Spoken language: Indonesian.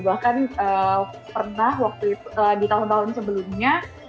bahkan pernah di tahun tahun sebelumnya